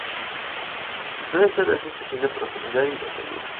Todo esto da sensación de profundidad y de relieve.